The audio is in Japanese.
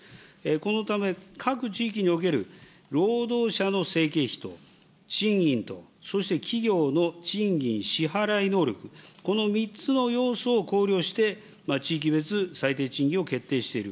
このため各地域における労働者の生計費と、賃金とそして企業の賃金支払い能力、この３つの要素を考慮して、地域別最低賃金を決定している。